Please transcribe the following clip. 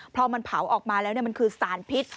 พอมันเผาออกมาแล้วมันคือสารพิษ